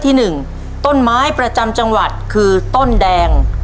ตัวเลือกที่๑ต้นไม้ประจำจังหวัดคือต้นแดง